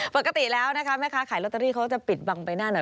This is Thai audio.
ปกติแล้วนะคะแม่ค้าขายลอตเตอรี่เขาจะปิดบังใบหน้าหน่อย